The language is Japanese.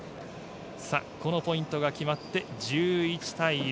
このポイントが決まって１１対６。